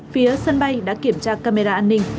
phía sân bay đã kiểm tra camera an ninh